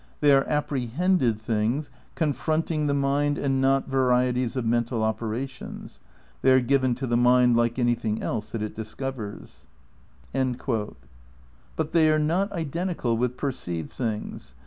They are apprehended things confronting the mind and not varieties of mental operations. They are given to the mind, like anything else that it discovers.' But they are not identical with perceived things.